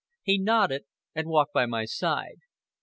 He nodded and walked by my side.